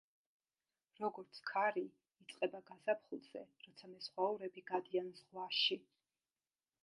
როგორც ქარი, იწყება გაზაფხულზე, როცა მეზღვაურები გადიან ზღვაში.